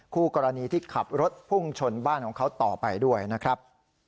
คู่กรณีที่ขับรถพุ่งชนบ้านของเขาต่อไปด้วยนะครับ